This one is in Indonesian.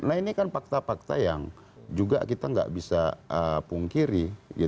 nah ini kan fakta fakta yang juga kita nggak bisa pungkiri